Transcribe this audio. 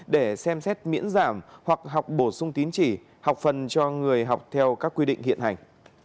để xem xét miễn giảm hoặc học bổ sung tín chỉ học phần cho người học theo các quy định hiện hành